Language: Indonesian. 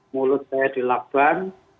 mulut saya dilakban